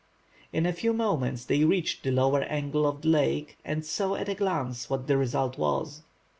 In a few moments they reached the lower angle of the lake, and saw at a glance what the result was.